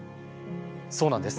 そうなんです。